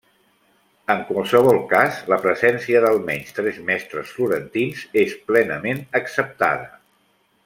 En qualsevol cas, la presència d'almenys tres mestres florentins és plenament acceptada.